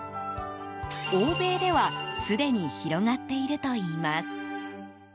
欧米ではすでに広がっているといいます。